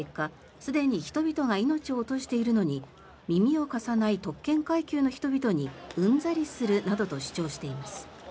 すでに人々が命を落としているのに耳を貸さない特権階級の人々にうんざりするなどと主張しています。